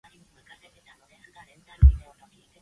Principal photography for the series took place in Chicago.